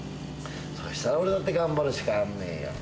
そしたら俺だって、頑張るしかあんめえよ。